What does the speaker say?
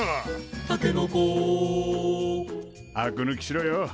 「たけのこ」アクぬきしろよ。